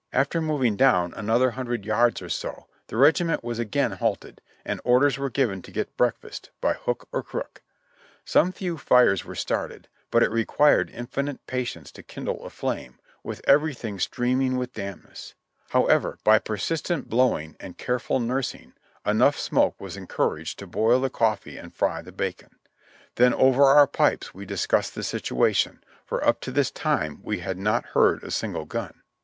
After moving down another hundred yards or so the regiment was again halted, and orders were given to get breakfast, by hook or crook. Some few fires were started, but it required infinite patience to kindle a flame, with everything streaming with damp ness ; however, by persistent blowing and careful nursing enough smoke was encouraged to boil the cofl:'ee and fry the bacon, then over our pipes we discussed the situation, for up to this time we had not heard a single gun.